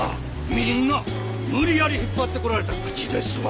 みんな無理やり引っ張ってこられた口ですわ。